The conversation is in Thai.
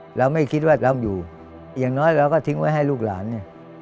จะไม่คิดว่านำอยู่อย่างน้อยจะถึงไว้ให้ลูกหลาน